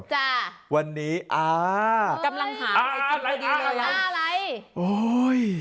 กำลังหาอะไรให้กินเลย